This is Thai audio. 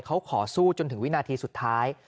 เขาขอสู้จนถึงวินาทีสุดท้าย